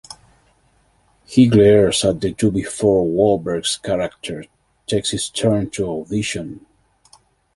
He glares at the two before Wahlberg's character takes his turn to audition.